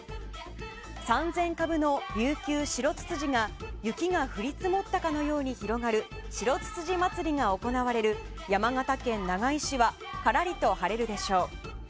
３０００株の琉球白つつじが雪が降り積もったかのように広がる白つつじまつりが行われる山形県長井市はからりと晴れるでしょう。